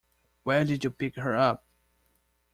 Where did you pick her up?